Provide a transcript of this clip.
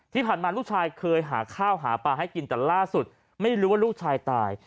ที่ผ่านมาลูกชายเคยหาข้าวหาปลาให้กินแต่ล่าสุดไม่รู้ว่าลูกชายตาย